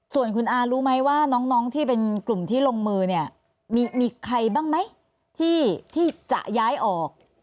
ส่วนคุณอารู้ไหมว่าน้องที่เป็นกลุ่มที่ลงมือเนี่ยมีใครบ้างไหมที่จะย้ายออก